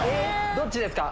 どっちですか？